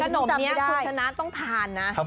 ขนมนี้ต้องทานนะ